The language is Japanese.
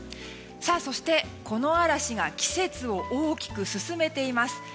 そして、この嵐が季節を大きく進めています。